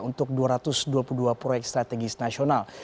untuk dua ratus dua puluh dua proyek strategis nasional